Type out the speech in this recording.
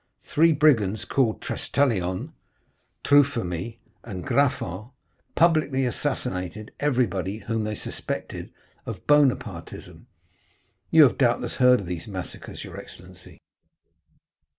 Three brigands, called Trestaillon, Truphemy, and Graffan, publicly assassinated everybody whom they suspected of Bonapartism. You have doubtless heard of these massacres, your excellency?"